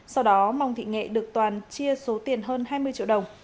sau đó mong thị nghệ được toàn chia số tiền hơn hai mươi triệu đồng